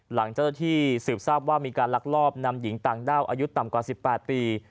หลังเจ้าหน้าที่สืบทราบว่ามีการลักลอบนำหญิงต่างด้าวอายุต่ำกว่า๑๘ปี